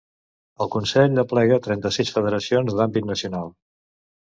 El Consell aplega trenta-sis federacions d'àmbit nacional.